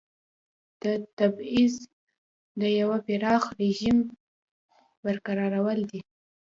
د تبعیض د یوه پراخ رژیم برقرارول دي.